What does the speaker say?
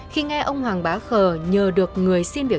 khi nghe ông hoàng bá khờ nhờ được người xin việc